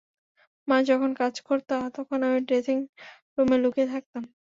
মা যখন কাজ করত তখন আমি ড্রেসিং রুমে লুকিয়ে থাকতাম।